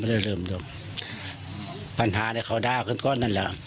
อ๋อไม่ได้เริ่มก่อนปัญหาในเขาด้าขึ้นก้อนนั่นแหละ